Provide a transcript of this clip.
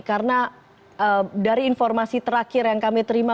karena dari informasi terakhir yang kami terima